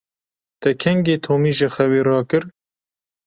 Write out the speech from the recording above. Te kengî Tomî ji xewê rakir?